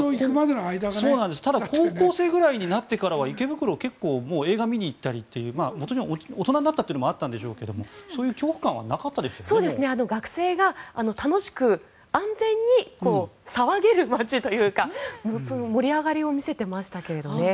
高校生ぐらいになってからは池袋は映画を見に行ったりとか大人になったというのもあったんでしょうが学生が楽しく安全に騒げる街というか盛り上がりを見せていましたけどもね。